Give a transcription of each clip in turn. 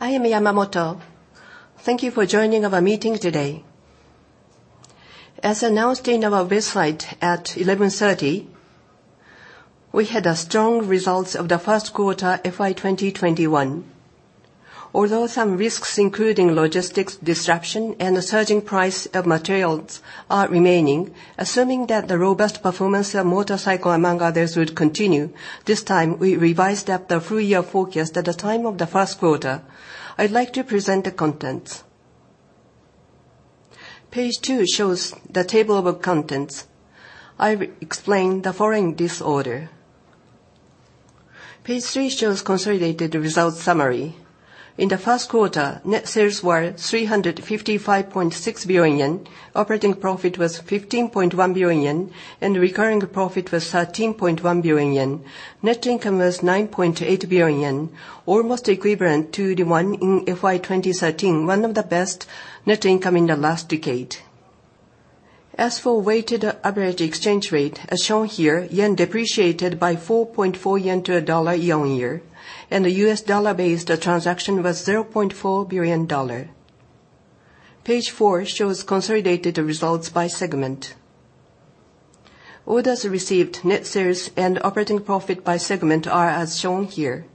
I am Yamamoto. Thank you for joining our meeting today. As announced in our website at 11:30, we had strong results of the first quarter FY 2021. Although some risks, including logistics disruption and the surging price of materials, are remaining, assuming that the robust performance of motorcycle, among others, would continue, this time we revised up the full-year forecast at the time of the first quarter. I'd like to present the contents. Page two shows the table of contents. I will explain the following in this order. Page three shows consolidated results summary. In the first quarter, net sales were 355.6 billion yen, operating profit was 15.1 billion yen, and recurring profit was 13.1 billion yen. Net income was 9.8 billion yen, almost equivalent to the one in FY 2013, one of the best net income in the last decade. As for weighted average exchange rate, as shown here, JPY depreciated by 4.4 yen to a dollar year-on-year, and the U.S. dollar based transaction was $0.4 billion. Page four shows consolidated results by segment. Orders received, net sales, and operating profit by segment are as shown here.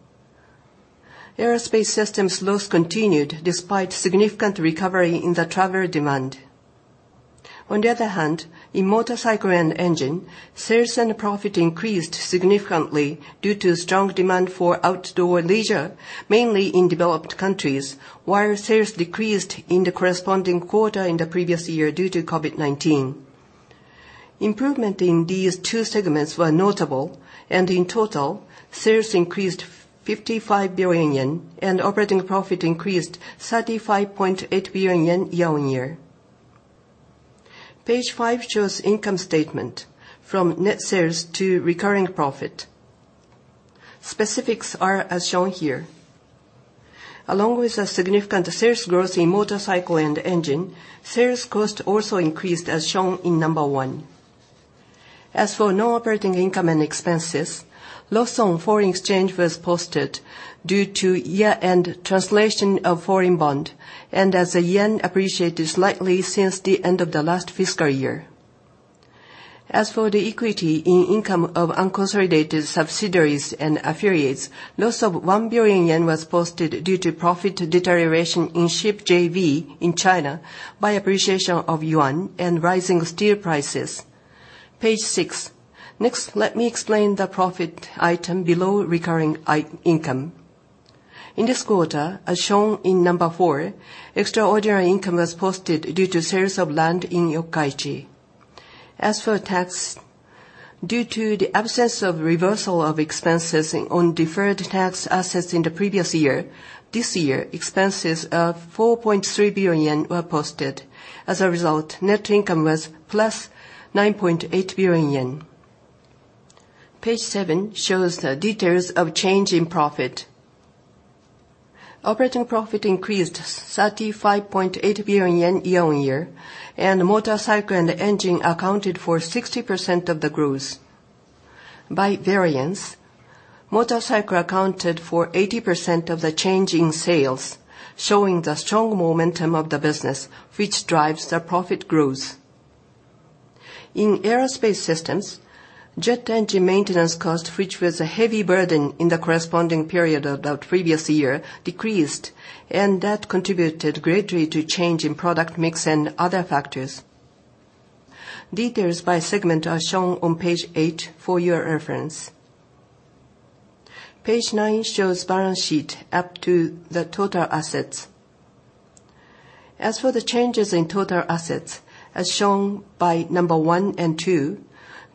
Aerospace Systems' loss continued despite significant recovery in the travel demand. On the other hand, in Motorcycle and Engine, sales and profit increased significantly due to strong demand for outdoor leisure, mainly in developed countries, while sales decreased in the corresponding quarter in the previous year due to COVID-19. Improvement in these two segments were notable, and in total, sales increased 55 billion yen and operating profit increased 35.8 billion yen year-on-year. Page five shows income statement from net sales to recurring profit. Specifics are as shown here. Along with a significant sales growth in Motorcycle and Engine, sales cost also increased, as shown in number one. As for non-operating income and expenses, loss on foreign exchange was posted due to year-end translation of foreign bond, as the yen appreciated slightly since the end of the last fiscal year. As for the equity in income of unconsolidated subsidiaries and affiliates, loss of 1 billion yen was posted due to profit deterioration in ship JV in China by appreciation of yuan and rising steel prices. Page six. Let me explain the profit item below recurring income. In this quarter, as shown in number four, extraordinary income was posted due to sales of land in Yokkaichi. As for tax, due to the absence of reversal of expenses on deferred tax assets in the previous year, this year expenses of 4.3 billion yen were posted. As a result, net income was +9.8 billion yen. Page seven shows the details of change in profit. Operating profit increased 35.8 billion yen year-on-year, Motorcycle and Engine accounted for 60% of the growth. By variance, Motorcycle accounted for 80% of the change in sales, showing the strong momentum of the business, which drives the profit growth. In Aerospace Systems, jet engine maintenance cost, which was a heavy burden in the corresponding period of the previous year, decreased. That contributed greatly to change in product mix and other factors. Details by segment are shown on page eight for your reference. Page nine shows balance sheet up to the total assets. As for the changes in total assets, as shown by number one and two,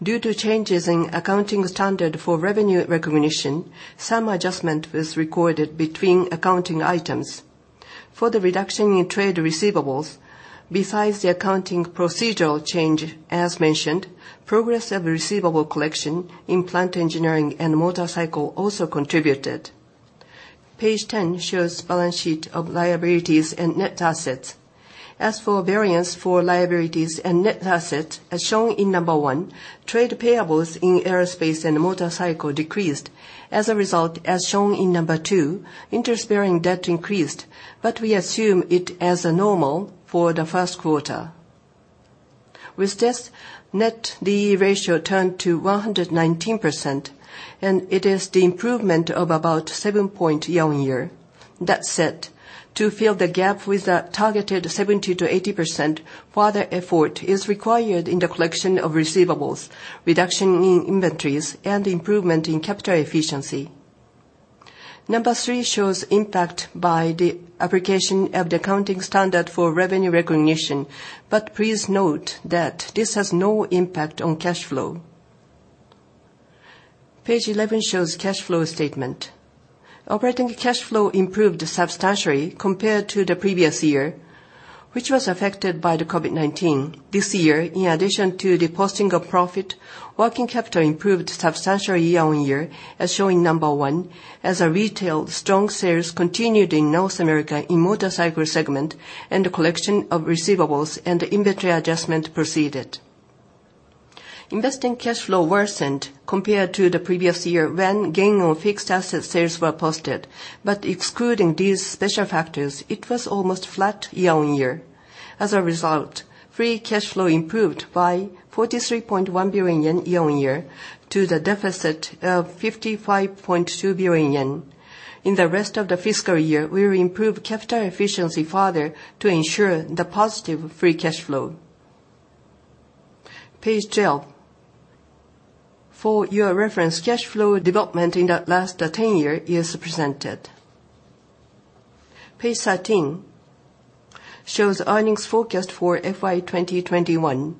due to changes in accounting standard for revenue recognition, some adjustment was recorded between accounting items. For the reduction in trade receivables, besides the accounting procedural change as mentioned, progress of receivable collection in Plant Engineering and Motorcycle also contributed. Page 10 shows balance sheet of liabilities and net assets. As for variance for liabilities and net assets, as shown in number one, trade payables in Aerospace and Motorcycle decreased. As a result, as shown in number two, interest-bearing debt increased, but we assume it as normal for the first quarter. With this, net D/E ratio turned to 119%, and it is the improvement of about seven points year-on-year. That said, to fill the gap with the targeted 70% to 80%, further effort is required in the collection of receivables, reduction in inventories, and improvement in capital efficiency. Number three shows impact by the application of the accounting standard for revenue recognition, but please note that this has no impact on cash flow. Page 11 shows cash flow statement. Operating cash flow improved substantially compared to the previous year, which was affected by the COVID-19. This year, in addition to the posting of profit, working capital improved substantially year-on-year, as shown in number one, as our retail strong sales continued in North America in Motorcycle segment, and the collection of receivables and inventory adjustment proceeded. Investing cash flow worsened compared to the previous year when gain on fixed asset sales were posted. Excluding these special factors, it was almost flat year-on-year. As a result, free cash flow improved by 43.1 billion yen year-on-year to the deficit of 55.2 billion yen. In the rest of the fiscal year, we will improve capital efficiency further to ensure the positive free cash flow. Page 12. For your reference, cash flow development in the last 10 year is presented. Page 13 shows earnings forecast for FY 2021.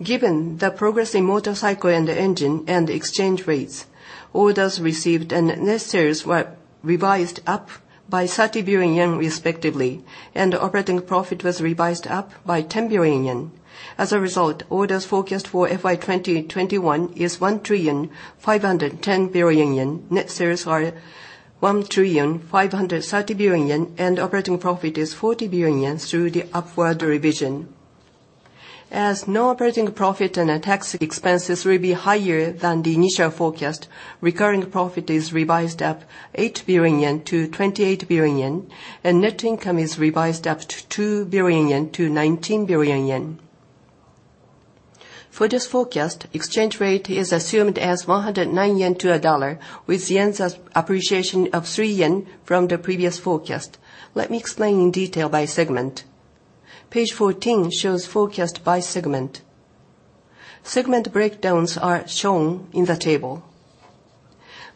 Given the progress in Motorcycle and Engine and exchange rates, orders received and net sales were revised up by 30 billion yen respectively, and operating profit was revised up by 10 billion yen. As a result, orders forecast for FY 2021 is 1.51 billion yen. Net sales are 1.53 billion yen, and operating profit is 40 billion yen through the upward revision. As non-operating profit and tax expenses will be higher than the initial forecast, recurring profit is revised up 8 billion yen to 28 billion yen, and net income is revised up 2 billion yen to 19 billion yen. For this forecast, exchange rate is assumed as 109 yen to a dollar, with yen's appreciation of 3 yen from the previous forecast. Let me explain in detail by segment. Page 14 shows forecast by segment. Segment breakdowns are shown in the table.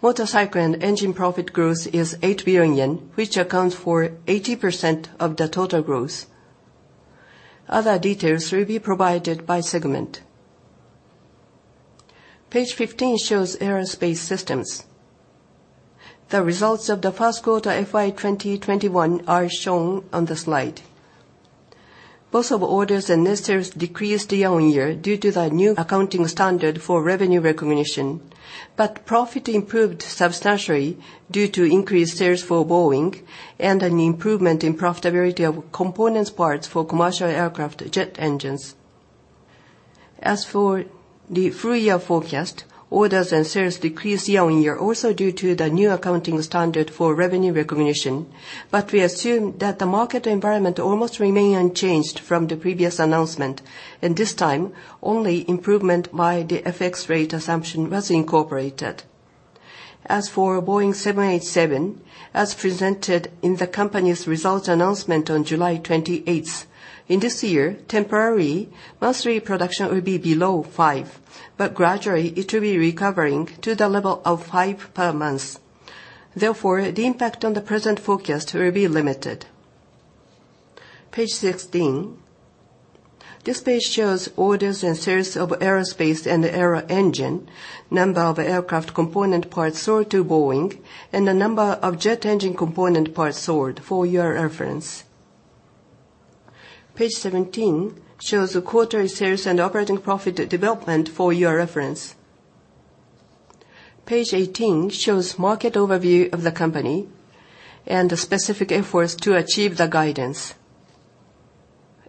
Motorcycle and Engine profit growth is 8 billion yen, which accounts for 80% of the total growth. Other details will be provided by segment. Page 15 shows Aerospace Systems. The results of the first quarter FY 2021 are shown on the slide. Both of orders and net sales decreased year-on-year due to the new accounting standard for revenue recognition. Profit improved substantially due to increased sales for Boeing and an improvement in profitability of components parts for commercial aircraft jet engines. As for the full-year forecast, orders and sales decreased year-on-year also due to the new accounting standard for revenue recognition. We assume that the market environment almost remain unchanged from the previous announcement, and this time, only improvement by the FX rate assumption was incorporated. As for Boeing 787, as presented in the company's results announcement on July 28th, in this year, temporary monthly production will be below five, but gradually it will be recovering to the level of five per month. The impact on the present forecast will be limited. Page 16. This page shows orders and sales of aerospace and aero-engine, number of aircraft component parts sold to Boeing, and the number of jet engine component parts sold for your reference. Page 17 shows the quarterly sales and operating profit development for your reference. Page 18 shows market overview of the company and the specific efforts to achieve the guidance.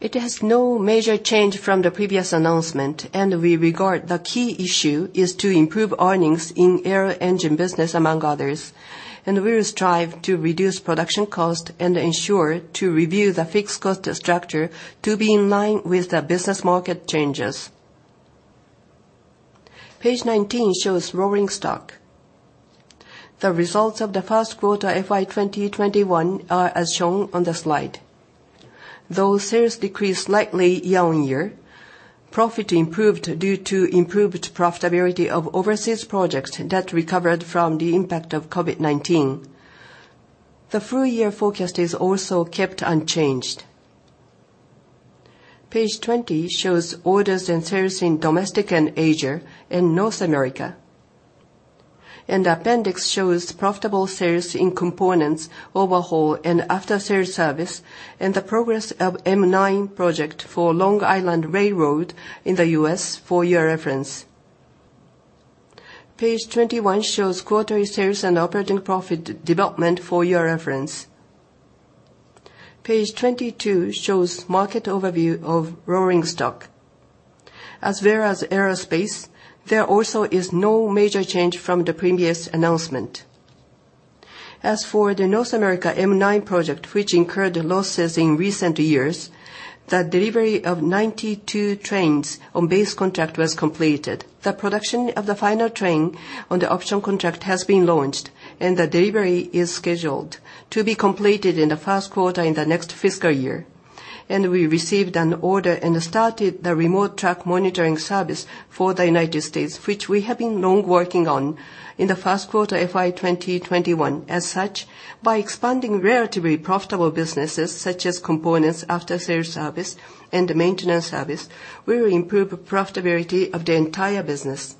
It has no major change from the previous announcement, we regard the key issue is to improve earnings in aero-engine business, among others, and we will strive to reduce production cost and ensure to review the fixed cost structure to be in line with the business market changes. Page 19 shows rolling stock. The results of the first quarter FY 2021 are as shown on the slide. Though sales decreased slightly year-on-year, profit improved due to improved profitability of overseas projects that recovered from the impact of COVID-19. The full-year forecast is also kept unchanged. Page 20 shows orders and sales in domestic and Asia and North America. Appendix shows profitable sales in components, overhaul and after-sales service, and the progress of M9 project for Long Island Rail Road in the U.S. for your reference. Page 21 shows quarterly sales and operating profit development for your reference. Page 22 shows market overview of rolling stock. As whereas aerospace, there also is no major change from the previous announcement. As for the North America M9 project, which incurred losses in recent years, the delivery of 92 trains on base contract was completed. The production of the final train on the optional contract has been launched, the delivery is scheduled to be completed in the first quarter in the next fiscal year. We received an order and started the remote track monitoring service for the United States, which we have been long working on in the first quarter FY 2021. As such, by expanding relatively profitable businesses such as components, after-sales service, and maintenance service, we will improve profitability of the entire business.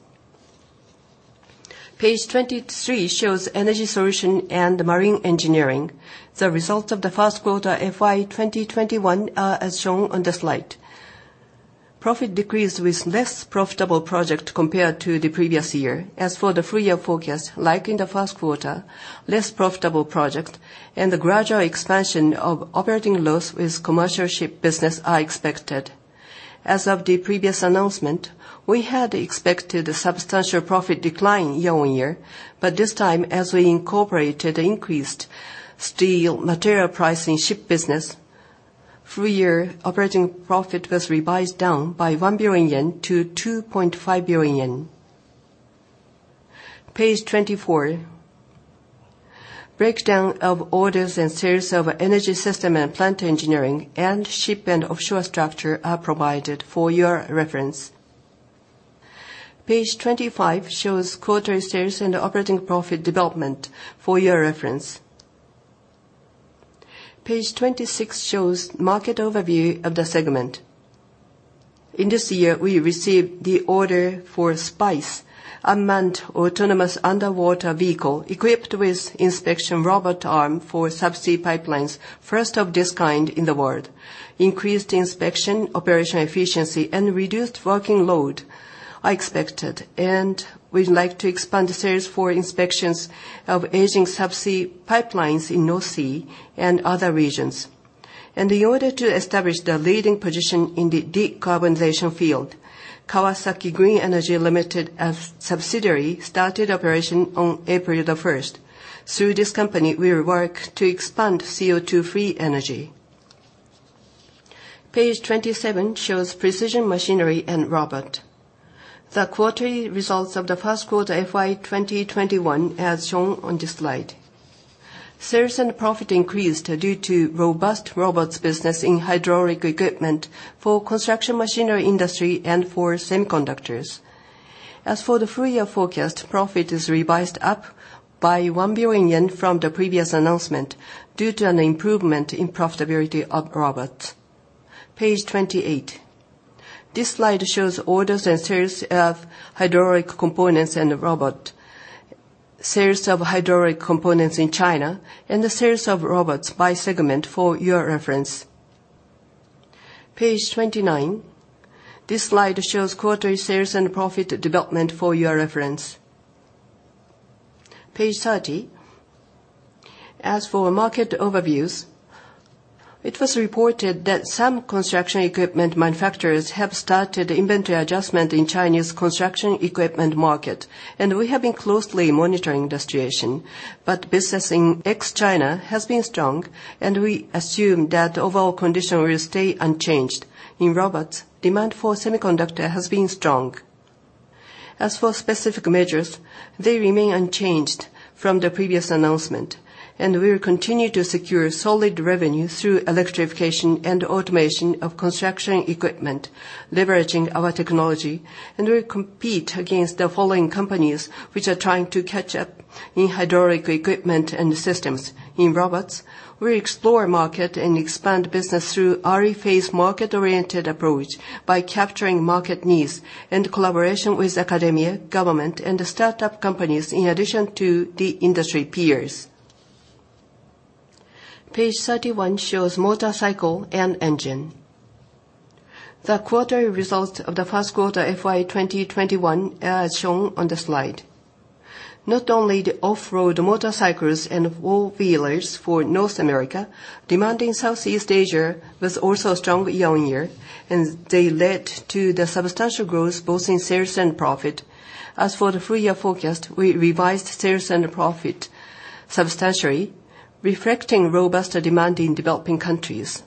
Page 23 shows Energy Solution & Marine Engineering. The results of the first quarter FY 2021 are as shown on the slide. Profit decreased with less profitable project compared to the previous year. As for the full-year forecast, like in the first quarter, less profitable project and the gradual expansion of operating loss with commercial ship business are expected. As of the previous announcement, we had expected a substantial profit decline year-on-year, but this time, as we incorporated increased steel material price in ship business, full-year operating profit was revised down by 1 billion yen to 2.5 billion yen. Page 24, breakdown of orders and sales of energy system and Plant Engineering, and ship and offshore structure are provided for your reference. Page 25 shows quarterly sales and operating profit development for your reference. Page 26 shows market overview of the segment. In this year, we received the order for SPICE, unmanned autonomous underwater vehicle, equipped with inspection robot arm for sub-sea pipelines, first of this kind in the world. Increased inspection, operational efficiency, and reduced working load are expected, and we'd like to expand the sales for inspections of aging sub-sea pipelines in North Sea and other regions. In order to establish the leading position in the decarbonization field, Kawasaki Green Energy, Ltd., a subsidiary, started operation on April the 1st. Through this company, we will work to expand CO2 free energy. Page 27 shows Precision Machinery and Robot. The quarterly results of the first quarter FY 2021 are shown on this slide. Sales and profit increased due to robust robots business in hydraulic equipment for construction machinery industry and for semiconductors. As for the full-year forecast, profit is revised up by 1 billion yen from the previous announcement due to an improvement in profitability of robot. Page 28. This slide shows orders and sales of hydraulic components and robot. Sales of hydraulic components in China and the sales of robots by segment for your reference. Page 29. This slide shows quarterly sales and profit development for your reference. Page 30. As for market overviews, it was reported that some construction equipment manufacturers have started inventory adjustment in Chinese construction equipment market, and we have been closely monitoring the situation. Business in ex-China has been strong, and we assume that overall condition will stay unchanged. In robots, demand for semiconductor has been strong. As for specific measures, they remain unchanged from the previous announcement, and we will continue to secure solid revenue through electrification and automation of construction equipment, leveraging our technology, and we will compete against the following companies which are trying to catch up in hydraulic equipment and systems. In robots, we explore market and expand business through RE phase market-oriented approach by capturing market needs in collaboration with academia, government, and the startup companies in addition to the industry peers. Page 31 shows Motorcycle and Engine. The quarterly results of the 1st quarter FY 2021 are shown on the slide. Not only the off-road motorcycles and four-wheelers for North America, demand in Southeast Asia was also strong year-over-year, and they led to the substantial growth both in sales and profit. As for the full-year forecast, we revised sales and profit substantially, reflecting robust demand in developing countries.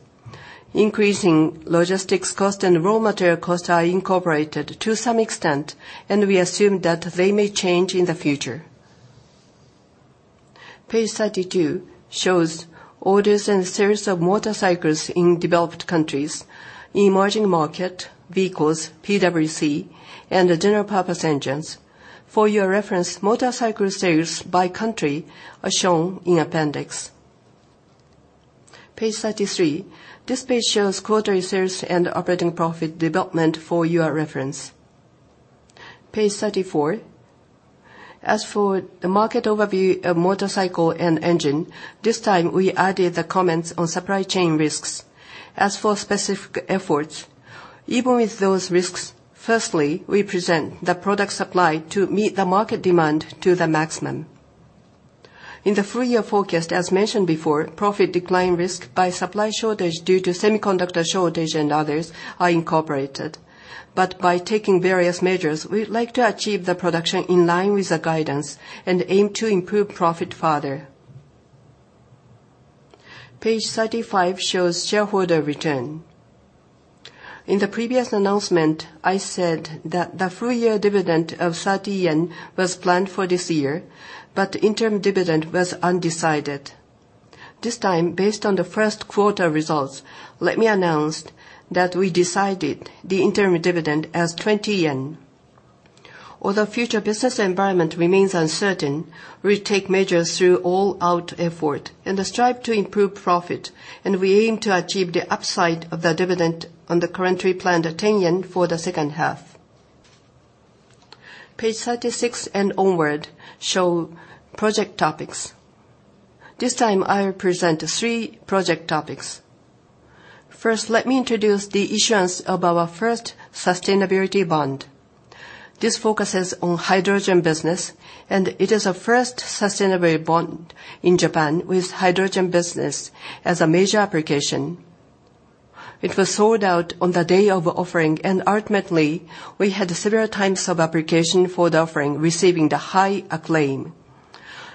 Increasing logistics cost and raw material cost are incorporated to some extent, and we assume that they may change in the future. Page 32 shows orders and sales of motorcycles in developed countries, emerging market, vehicles, PWC, and the general-purpose engines. For your reference, motorcycle sales by country are shown in appendix. Page 33. This page shows quarterly sales and operating profit development for your reference. Page 34. As for the market overview of Motorcycle and Engine, this time we added the comments on supply chain risks. As for specific efforts, even with those risks, firstly, we present the product supply to meet the market demand to the maximum. In the full-year forecast, as mentioned before, profit decline risk by supply shortage due to semiconductor shortage and others are incorporated. By taking various measures, we would like to achieve the production in line with the guidance and aim to improve profit further. Page 35 shows shareholder return. In the previous announcement, I said that the full-year dividend of 30 yen was planned for this year, but the interim dividend was undecided. This time, based on the first quarter results, let me announce that we decided the interim dividend as 20 yen. Although future business environment remains uncertain, we'll take measures through all-out effort and strive to improve profit, and we aim to achieve the upside of the dividend on the currently planned 10 yen for the second half. Page 36 and onward show project topics. This time, I present three project topics. First, let me introduce the issuance of our first sustainability bond. This focuses on hydrogen business, and it is the first sustainability bond in Japan with hydrogen business as a major application. It was sold out on the day of offering, and ultimately, we had several times of application for the offering, receiving the high acclaim.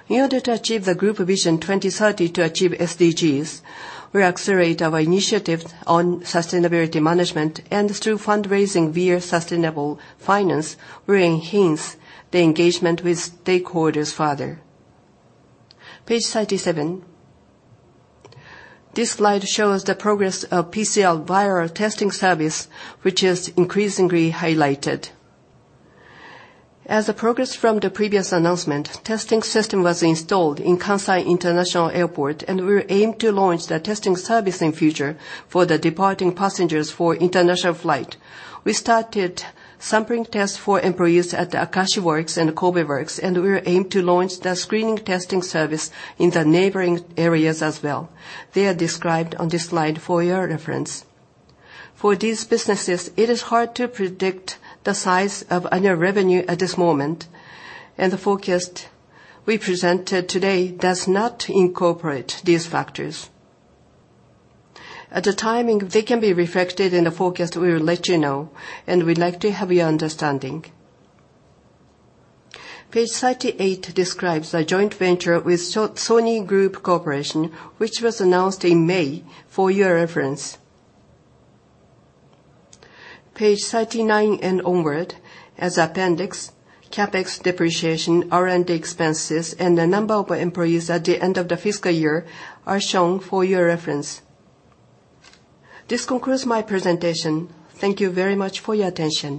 In order to achieve the Group Vision 2030 to achieve SDGs, we accelerate our initiatives on sustainability management and through fundraising via sustainable finance, we enhance the engagement with stakeholders further. Page 37. This slide shows the progress of PCR viral testing service, which is increasingly highlighted. As a progress from the previous announcement, testing system was installed in Kansai International Airport, and we aim to launch the testing service in future for the departing passengers for international flight. We started sampling tests for employees at the Akashi works and Kobe works, and we aim to launch the screening testing service in the neighboring areas as well. They are described on this slide for your reference. For these businesses, it is hard to predict the size of annual revenue at this moment, and the forecast we presented today does not incorporate these factors. At the timing they can be reflected in the forecast, we will let you know, and we'd like to have your understanding. Page 38 describes a joint venture with Sony Group Corporation, which was announced in May for your reference. Page 39 and onward, as appendix, CapEx depreciation, R&D expenses, and the number of employees at the end of the fiscal year are shown for your reference. This concludes my presentation. Thank you very much for your attention.